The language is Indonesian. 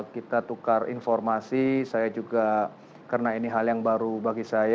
kita tukar informasi saya juga karena ini hal yang baru bagi saya